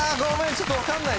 ちょっと分かんない。